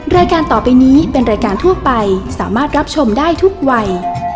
รายการต่อไปนี้เป็นรายการทั่วไปสามารถรับชมได้ทุกวัย